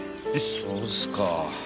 そうすか。